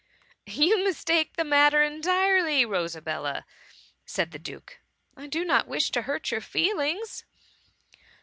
^^ You mistake the matter entirely, Rosa bella," said the duke ;'^ I do not wish to hurt your feelings.